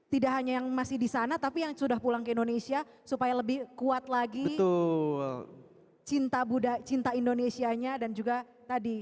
tidak hanya yang masih di sana tapi yang sudah pulang ke indonesia supaya lebih kuat lagi cinta indonesianya dan juga tadi